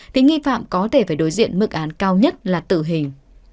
thì nghi phạm có thể phải đối diện mức án cao nhất là tử hình